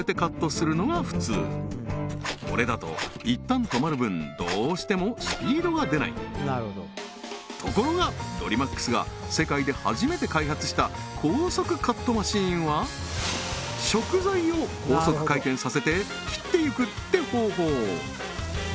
するのが普通これだとどうしてもところがドリマックスが世界で初めて開発した高速カットマシンは食材を高速回転させて切っていくって方法